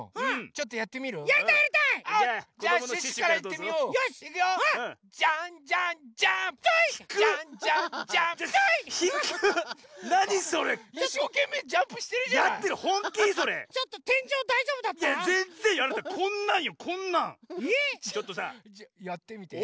ちょっとさやってみて。